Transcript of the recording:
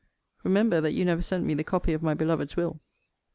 Remember that you never sent me the copy of my beloved's will.